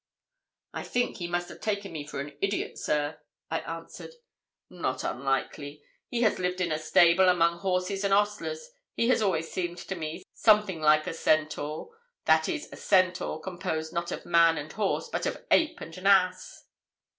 'I think he must have taken me for an idiot, sir,' I answered. 'Not unlikely. He has lived in a stable, among horses and ostlers; he has always seemed to me something like a centaur that is a centaur composed not of man and horse, but of an ape and an ass.'